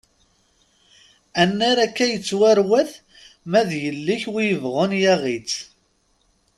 Annar akka i yettwarwat ma d yelli-k wi yebɣun yaɣ-itt!